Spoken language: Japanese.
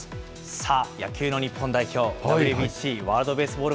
さあ、野球の日本代表、ＷＢＣ・ワールドベースボール